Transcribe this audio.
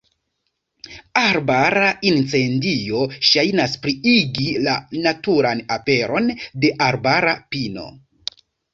Arbara incendio ŝajnas pliigi la naturan aperon de arbara pino.